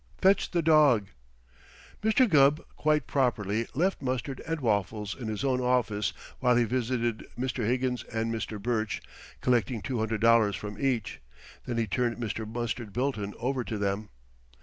Fetch the dog." Mr. Gubb, quite properly, left Mustard and Waffles in his own office while he visited Mr. Higgins and Mr. Burch, collecting two hundred dollars from each. Then he turned Mr. Mustard Bilton over to them.